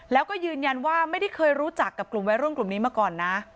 แล้วก็ยืนยันว่าไม่ได้เคยรู้จักกับกลุ่มวัยรุ่นกลุ่มนี้มาก่อนนะ